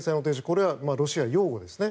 これはロシア擁護ですね。